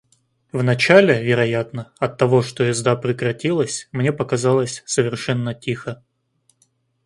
Вначале, вероятно, оттого, что езда прекратилась, мне показалось, совершенно тихо.